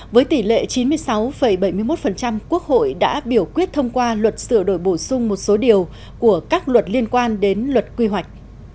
với tỷ lệ chín mươi sáu bảy mươi một quốc hội đã biểu quyết thông qua luật sửa đổi bổ sung một số điều của các luật liên quan đến luật quy hoạch